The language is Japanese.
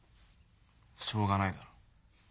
しょうがないだろ。